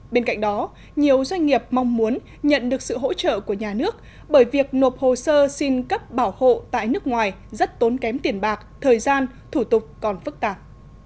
bên cạnh đó nhiều doanh nghiệp mong muốn nhận được sự hỗ trợ của nhà nước bởi việc nộp hồ sơ xin cấp bảo hộ tại nước ngoài rất tốn kém tiền bạc thời gian thủ tục còn phức tạp